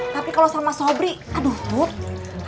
tapi kalau sama sobri aduh booth